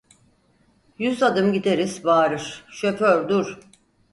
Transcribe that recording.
Yüz adım gideriz, bağırır: "Şoför dur!"